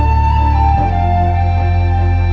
aku begitu tergantung